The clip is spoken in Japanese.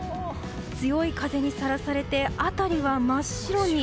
強い風にさらされて辺りは真っ白に。